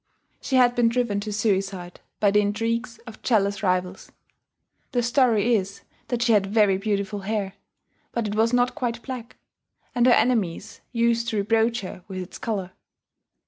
She had been driven to suicide by the intrigues of jealous rivals. The story is that she had very beautiful hair; but it was not quite black, and her enemies used to reproach her with its color.